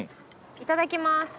いただきます！